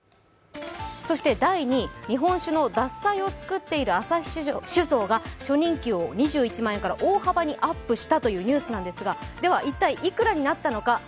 第２位、日本酒の獺祭を造っている旭酒造が初任給を２１万円から大幅にアップしたというニュースですがでは一体、いくらになったのか。